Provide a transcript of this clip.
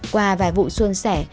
qua vài vụ xuân xẻ